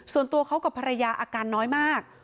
ส่วนตัวเขากับภรรยาอาการน้อยมาก